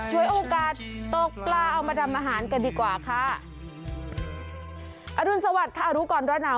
ช่วยโอกาสตกปลาเอามาทำอาหารกันดีกว่าค่ะอรุณสวัสดิ์ค่ะรู้ก่อนร้อนหนาว